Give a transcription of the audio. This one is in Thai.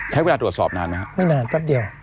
ใช้เวลาตรวจสอบนานไหมครับไม่นานแป๊บเดียว